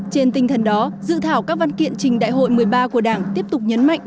trên tinh thần đó dự thảo các văn kiện trình đại hội một mươi ba của đảng tiếp tục nhấn mạnh